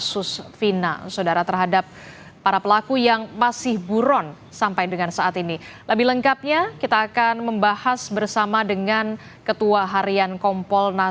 selamat petang bapak bapak semuanya